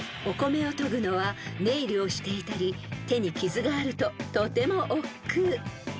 ［お米をとぐのはネイルをしていたり手に傷があるととてもおっくう］